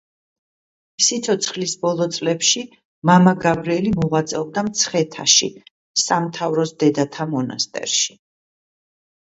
სიცოცხლის ბოლო წლებში მამა გაბრიელი მოღვაწეობდა მცხეთაში, სამთავროს დედათა მონასტერში.